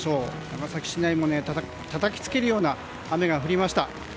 長崎市内もたたきつけるような雨が降りました。